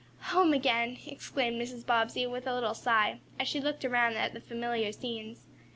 "Home again!" exclaimed Mrs. Bobbsey, with a little sigh, as she looked around at the familiar scenes.